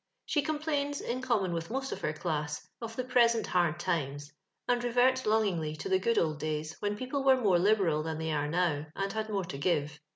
She complains, in common willi most of hcrdoss, of the present hard times, and reverts longingly to the good old days whtn proplo were more liberal than they are now, and had more to give.